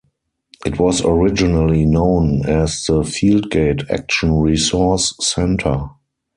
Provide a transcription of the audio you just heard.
It was originally known as the "Fieldgate Action Resource Centre".